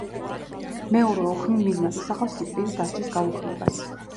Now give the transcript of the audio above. მეორე ოქმი მიზნად ისახავს სიკვდილით დასჯის გაუქმებას.